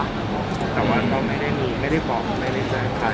แต่ว่าก็ไม่ได้มีไม่ได้บอกไม่ได้ใจใคร